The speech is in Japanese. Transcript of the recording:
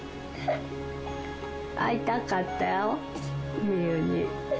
会いたかったよみゆに。